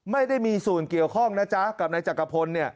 ไม่ได้มีส่วนเกี่ยวข้องนะจ๊ะกับนายจักรพล